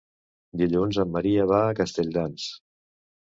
Dilluns en Maria va a Castelldans.